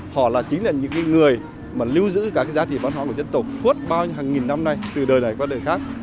họ là chính là những người mà lưu giữ các cái giá trị văn hóa của dân tộc suốt bao nhiêu hàng nghìn năm nay từ đời này qua đời khác